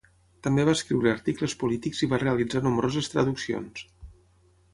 També va escriure articles polítics i va realitzar nombroses traduccions.